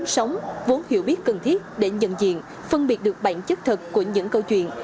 sống vốn hiểu biết cần thiết để nhận diện phân biệt được bản chất thật của những câu chuyện